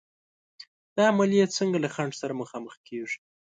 دا عملیې څنګه له خنډ سره مخامخ کېږي؟